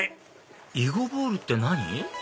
囲碁ボールって何？